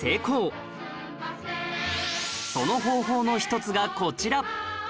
その方法の一つがこちら